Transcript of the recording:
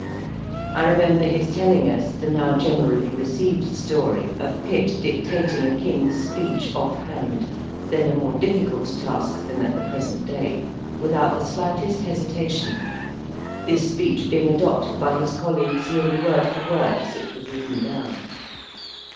I remember his telling us the now generally received story of Pitt dictating a King's speech off hand then a more difficult task than at the present day without the slightest hesitation; this speech being adopted by his colleagues nearly word for word as it was written down.